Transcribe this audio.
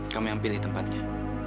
kamu yang pilih tempatnya